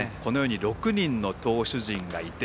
６人の投手陣がいて。